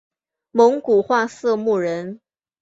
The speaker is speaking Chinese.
蒙古化色目人。